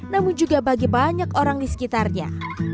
namun juga bagi banyak orang di sekitarnya